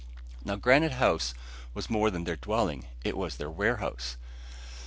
Now Granite House was more than their dwelling, it was their warehouse.